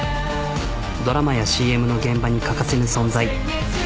ドラマやＣＭの現場に欠かせぬ存在。